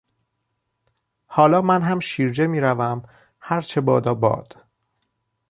حالا منهم شیرجه میروم - هرچه بادا باد!